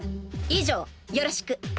以上よろしく。